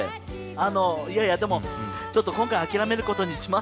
あのいやいやでもちょっと今回は諦めることにしましたけども。